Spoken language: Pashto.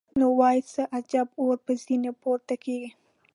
نو وای څه عجب اور به ځینې پورته کېږي.